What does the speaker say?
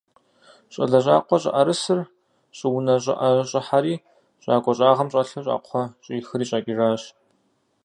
Щӏалэ щӏакъуэ щӏыӏэрысыр щӏыунэ щӏыӏэм щӏыхьэри, щӏакӏуэ щӏагъым щӏэлъу щӏакхъуэ щӏихри щӏэкӏыжащ.